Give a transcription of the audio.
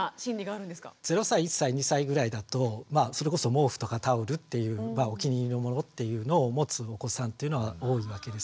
０歳１歳２歳ぐらいだとそれこそ毛布とかタオルっていうお気に入りのものっていうのを持つお子さんっていうのは多いわけですね。